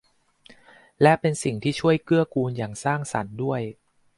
และเป็นสิ่งที่ช่วยเกื้อกูลอย่างสร้างสรรค์ด้วย